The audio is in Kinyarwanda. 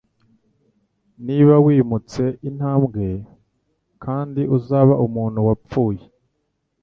Niba wimutse intambwe, kandi uzaba umuntu wapfuye.